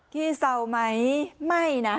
พี่เศร้าไหมไม่นะ